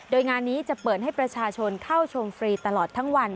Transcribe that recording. โดยงานนี้จะเปิดให้ประชาชนเข้าชมฟรีตลอดทั้งวัน